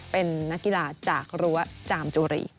เป็นนักกีฬาจากรั้วจามจุรี